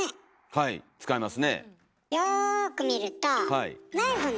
はい使いますね。